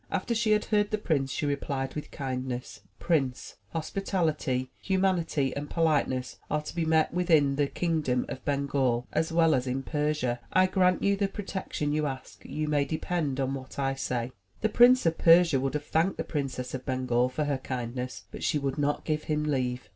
After she had heard the prince, she replied with kindness: Prince, hospitality, humanity, and politeness are to be met with in the kingdom of Bengal, as well as in Persia. I grant you the pro tection you ask — you may depend on what I say." The Prince of Persia would have thanked the Princess of Bengal for her kindness, but she would not give him leave.